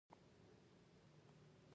چا چې کولې موږ ته هر وخت د جنت خبرې.